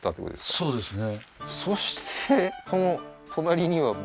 えっそうですね